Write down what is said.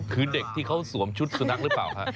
คือเด็กที่เขาสวมชุดสุ่นนักรึเปล่าค่ะ